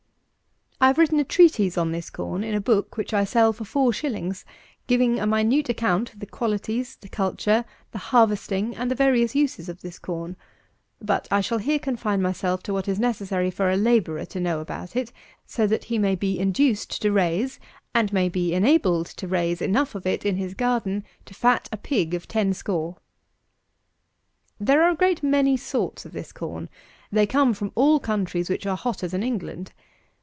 I have written a treatise on this corn in a book which I sell for four shillings, giving a minute account of the qualities, the culture, the harvesting, and the various uses of this corn; but I shall here confine myself to what is necessary for a labourer to know about it, so that he may be induced to raise and may be enabled to raise enough of it in his garden to fat a pig of ten score. 260. There are a great many sorts of this corn. They all come from countries which are hotter than England.